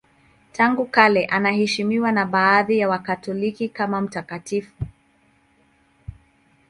Tangu kale anaheshimiwa na baadhi ya Wakatoliki kama mtakatifu.